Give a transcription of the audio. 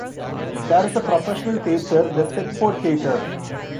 There is a professional theatre, the Seckford Theatre.